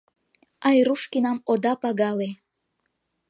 Айрушкинам ода пагале!